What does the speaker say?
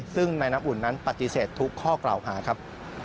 ซึ่งนายน้ำอุ่นนั้นปฏิเสธทุกข้อกล่าวหาครับ